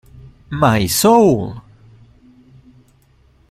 My Soul!!